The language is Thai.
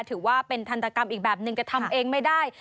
ถือว่าเป็นทันตกรรมอีกแบบหนึ่งแต่ทำเองไม่ได้